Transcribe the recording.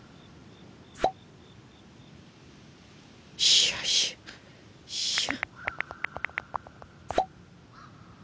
いやいやいや。